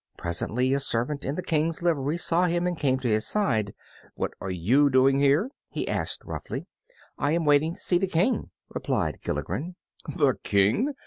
Presently a servant in the King's livery saw him and came to his side. "What are you doing here?" he asked, roughly. "I am waiting to see the King," replied Gilligren. "The King!